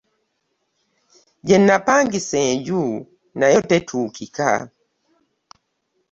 Gye napangisa enju nayo tetuukika.